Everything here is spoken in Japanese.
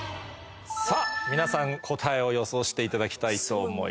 さぁ皆さん答えを予想していただきたいと思います。